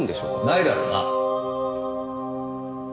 ないだろうな。